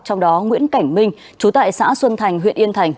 trong đó nguyễn cảnh minh chú tại xã xuân thành huyện yên thành